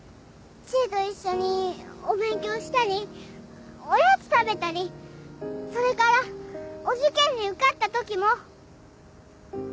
知恵と一緒にお勉強したりおやつ食べたりそれからお受験に受かった時も。